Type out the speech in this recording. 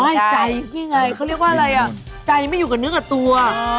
ไม่ใจนี่ไงเขาเรียกว่าอะไรอ่ะใจไม่อยู่กับเนื้อกับตัว